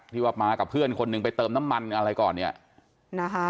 ที่ว่ามากับเพื่อนคนหนึ่งไปเติมน้ำมันอะไรก่อนเนี่ยนะคะ